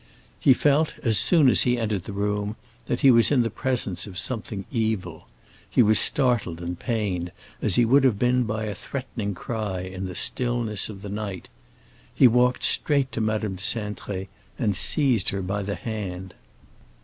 He felt, as soon as he entered the room, that he was in the presence of something evil; he was startled and pained, as he would have been by a threatening cry in the stillness of the night. He walked straight to Madame de Cintré and seized her by the hand.